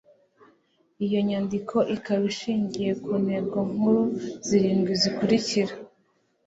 iyo nyandiko ikaba ishingiye ku ntego nkuru zirindwi zikurikira